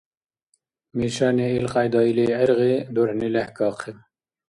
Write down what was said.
Мишани илкьяйда или гӀергъи, дурхӀни лехӀкахъиб.